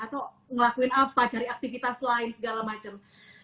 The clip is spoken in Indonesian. atau ngelakuin apa cari aktivitas lain segala macam